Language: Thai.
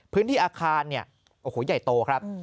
พื้นที่อาคารเนี่ยโอ้โหใหญ่โตครับ